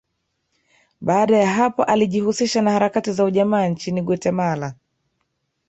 Baada ya hapo alijihusisha na harakati za ujamaa nchini Guatemala